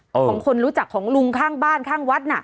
ของคนรู้จักของลุงข้างบ้านข้างวัดน่ะ